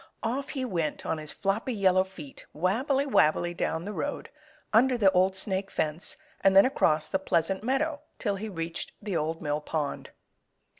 Off he went on his floppy yellow feet, wabbly, wabbly down the road, under the Old Snake Fence and then across the Pleasant Meadow till he reached the Old Mill Pond.